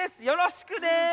よろしくね。